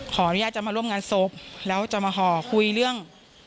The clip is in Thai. ขออนุญาตจะมาร่วมงานศพแล้วจะมาห่อคุยเรื่อง